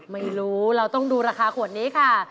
ไม่รู้เราต้องดูราคาขวดนี้ค่ะ